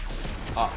あっ！